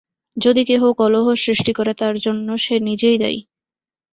যদি কেউ কলহ সৃষ্টি করে, তার জন্য সে নিজেই দায়ী।